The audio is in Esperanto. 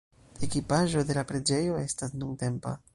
Ekipaĵo de la preĝejo estas nuntempa.